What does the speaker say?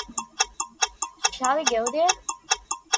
Shall we go there?